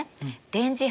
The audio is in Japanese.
電磁波？